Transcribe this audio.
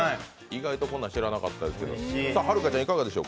意外とこんなん知らなかったですけど。